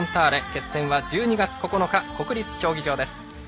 決戦は１２月９日国立競技場です。